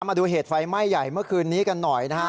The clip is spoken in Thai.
มาดูเหตุไฟไหม้ใหญ่เมื่อคืนนี้กันหน่อยนะฮะ